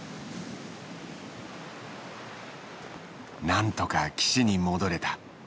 なんとか岸に戻れた。